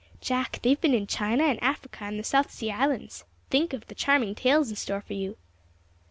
Jack, they've been in China and Africa and the South Sea Islands. Think of the charming tales in store for you!"